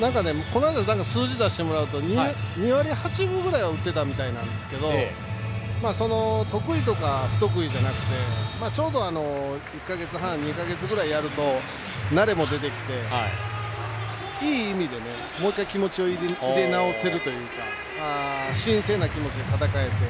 この間数字を出してもらうと２割８分ぐらいは打っていたみたいなんですけど得意、不得意じゃなくてちょうど１か月半２か月ぐらいやると慣れも出てきて、いい意味でもう１回気持ちを入れ直せるというか新鮮な気持ちで戦えて。